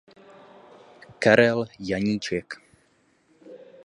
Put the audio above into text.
Karel Janíček.